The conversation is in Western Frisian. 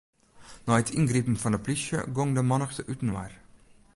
Nei it yngripen fan 'e plysje gong de mannichte útinoar.